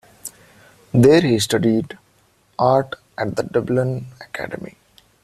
There he studied art at the Dublin Academy.